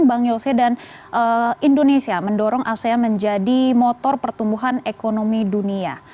bang yose dan indonesia mendorong asean menjadi motor pertumbuhan ekonomi dunia